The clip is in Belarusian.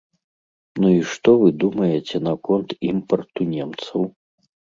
Ну і што вы думаеце наконт імпарту немцаў?